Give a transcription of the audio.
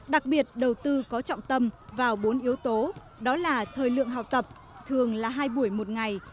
đặc biệt đầu tư có trọng tâm vào bốn yếu tố đó là thời lượng học tập thường là hai buổi một ngày